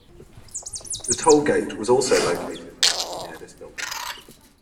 The toll gate was also located roughly near this building.